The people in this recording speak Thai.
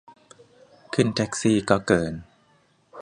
ขึ้นแท็กซี่ก็เกิน